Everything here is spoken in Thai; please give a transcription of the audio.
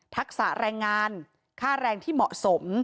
ทักษะแรงงานค่าแรงที่เหมาะสม